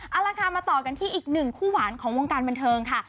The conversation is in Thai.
เอาละค่ะมาต่อกันที่อีกหนึ่งคู่หวานของวงการบันเทิงค่ะ